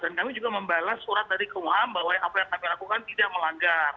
dan kami juga membalas surat dari kumham bahwa apa yang kami lakukan tidak melanggar